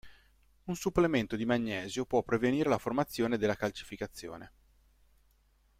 Un supplemento di magnesio può prevenire la formazione della calcificazione.